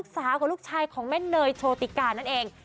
สาวน้องลูกฉายของแม่หน่อยโชติคาก์นั้นเอง